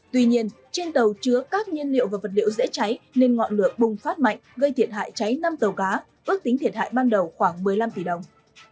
tuy nhiên trên tàu chứa các nhiên liệu và vật liệu dễ cháy nên ngọn lửa bùng phát mạnh gây thiệt hại cháy năm tàu cá ước tính thiệt hại ban đầu khoảng một mươi năm tỷ đồng